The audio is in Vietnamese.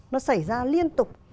nó xảy ra liên tục